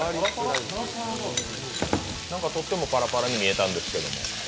何かとってもパラパラに見えたんですけど？